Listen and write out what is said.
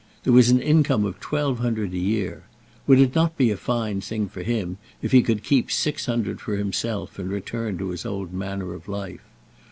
There was an income of twelve hundred a year. Would it not be a fine thing for him if he could keep six hundred for himself and return to his old manner of life.